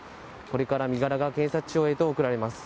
これから身柄が警察庁へと送られます。